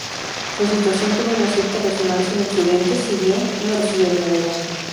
Su situación tuvo una cierta resonancia en Occidente, si bien no recibieron ayuda.